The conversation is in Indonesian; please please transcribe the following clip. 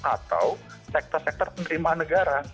atau sektor sektor penerimaan negara